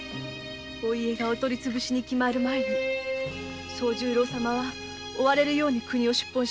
お家がお取りつぶしに決まる前に惣十郎様は追われるように国を出奔しました。